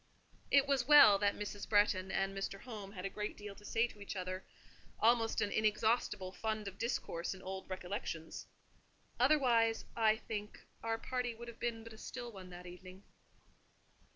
It was well that Mrs. Bretton and Mr. Home had a great deal to say to each other—almost an inexhaustible fund of discourse in old recollections; otherwise, I think, our party would have been but a still one that evening.